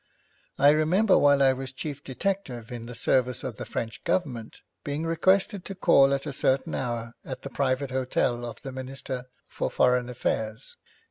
I remember while I was chief detective in the service of the French Government being requested to call at a certain hour at the private hotel of the Minister for Foreign Affairs.